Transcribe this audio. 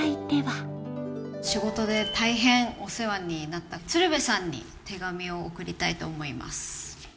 仕事で大変お世話になった鶴瓶さんに手紙をおくりたいと思います。